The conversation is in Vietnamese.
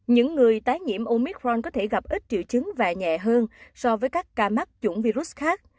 những người tái nhiễm omitron có thể gặp ít triệu chứng và nhẹ hơn so với các ca mắc chủng virus khác